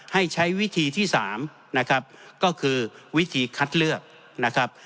ให้ใช้วิธีที่สามนะครับก็คือวิธีคัดเลือกนะครับ